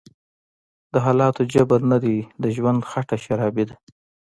دحالاتو_جبر_نه_دی_د_ژوند_خټه_شرابي_ده